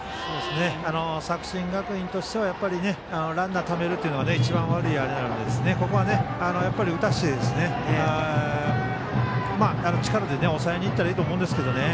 作新学院としては、やはりランナーをためるというのが一番悪いのでここは打たせて力で抑えにいったらいいと思うんですけどね。